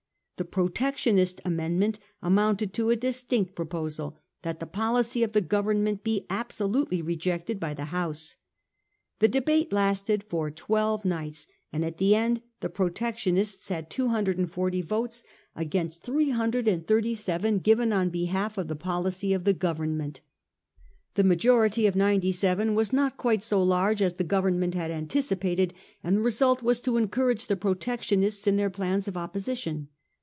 The Protection ist amendment amounted to a distinct proposal that Ihe policy of the Government be absolutely rejected by the House. The debate lasted for twelve nights, and at the end the Protectionists had 240 votes 1840. MR. DISRAELI'S RHETORIC. 407 against 337 given on behalf of the policy of the Government. The majority of 97 was not quite so large as the Government bad anticipated ; and the result was to encourage the Protectionists in their plans of opposition.